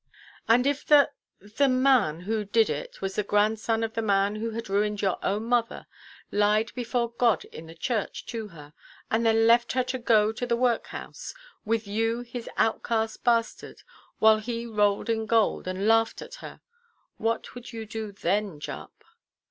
"And if the—the man who did it, was the grandson of the man who had ruined your own mother, lied before God in the church to her, and then left her to go to the workhouse, with you his outcast bastard—while he rolled in gold, and laughed at her—what would you do then, Jupp?"